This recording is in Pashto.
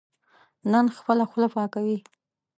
نن خپله خوله پاکوي.